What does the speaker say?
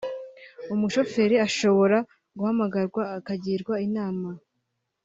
umushoferi ashobora guhamagarwa akagirwa inama